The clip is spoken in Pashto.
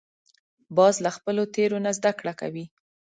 باز له خپلو تېرو نه زده کړه کوي